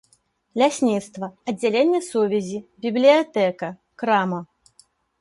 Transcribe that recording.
Лясніцтва, аддзяленне сувязі, бібліятэка, крама.